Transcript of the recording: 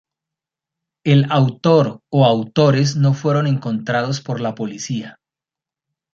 El autor o autores no fueron encontrados por la policía.